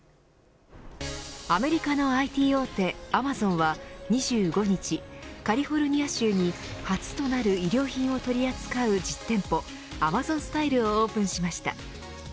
アメリカのＩＴ大手アマゾンは２５日カリフォルニア州に初となる衣料品を取り扱う実店舗アマゾン・スタイルをオープンしました。